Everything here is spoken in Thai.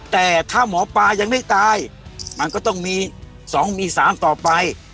แต่ถ้าหมอปลายังไม่ตายมันก็ต้องมี๒มี๓ต่อไป